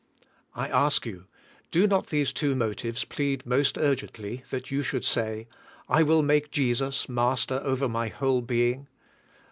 I ask you, do not these two motives plead most urgently that you should say: "I will make Jesus master over my whole being?"